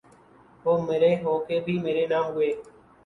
وہ مرے ہو کے بھی مرے نہ ہوئے